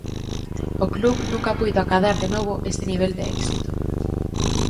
O club nunca puido acadar de novo este nivel de éxito.